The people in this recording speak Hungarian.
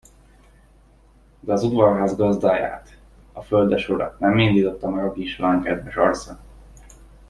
De az udvarház gazdáját, a földesurat, nem indította meg a kislány kedves arca.